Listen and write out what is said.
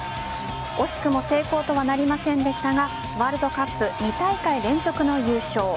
惜しくも成功とはなりませんでしたがワールドカップ２大会連続の優勝。